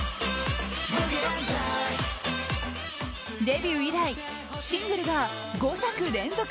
デビュー以来シングルが５作連続